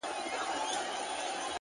هره تجربه د ځان پېژندنې وسیله ده’